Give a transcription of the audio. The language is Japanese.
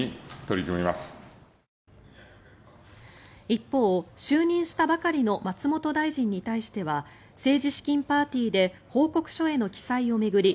一方、就任したばかりの松本大臣に対しては政治資金パーティーで報告書への記載を巡り